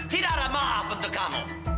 tidak ada maaf untuk kamu